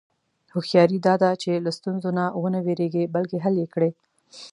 هوښیاري دا ده چې له ستونزو نه و نه وېرېږې، بلکې حل یې کړې.